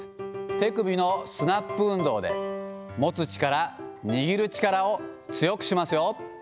手首のスナップ運動で、持つ力、握る力を強くしますよ。